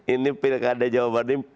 ini pilih kada jawa barat ini